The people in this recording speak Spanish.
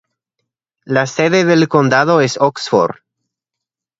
La sede del condado es Oxford.